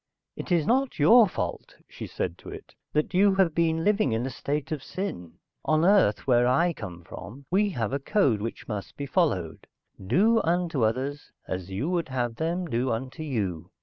"It is not your fault," she said to it, "That you have been living in a state of sin. On Earth, where I come from, we have a code which must be followed. Do unto others as you would have them do unto you.